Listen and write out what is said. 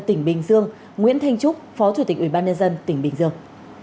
tỉnh bình dương nguyễn thanh trúc phó chủ tịch ủy ban nhân dân tỉnh bình dương